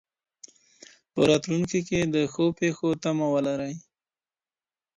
په راتلونکي کي د ښو پیښو تمه ولرئ.